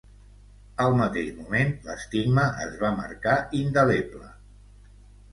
Al mateix moment l'estigma es va marcar indeleble